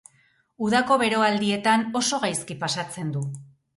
Udako beroaldietan oso gaizki pasatzen du.